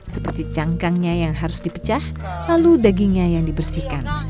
seperti cangkangnya yang harus dipecah lalu dagingnya yang dibersihkan